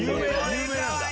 有名なんだ。